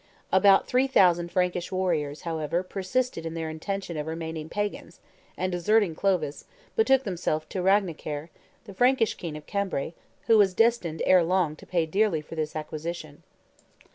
About three thousand Frankish warriors, however, persisted in their intention of remaining pagans, and deserting Clovis, betook themselves to Ragnacaire, the Frankish king of Cambrai, who was destined ere long to pay dearly for this acquisition.